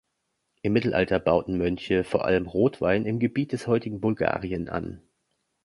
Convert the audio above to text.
Im Mittelalter bauten Mönche vor allem Rotwein im Gebiet des heutigen Bulgarien an.